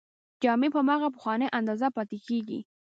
جامې په هماغه پخوانۍ اندازه پاتې کیږي.